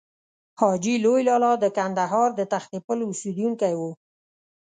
حاجي لوی لالا د کندهار د تختې پل اوسېدونکی و.